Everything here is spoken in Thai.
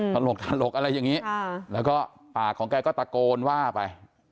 ตลกอะไรอย่างนี้แล้วก็ปากของแกก็ตะโกนว่าไป